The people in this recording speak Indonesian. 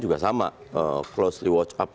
juga sama closely watch up